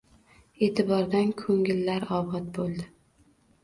E’tibordan ko‘ngillar obod bo‘ldi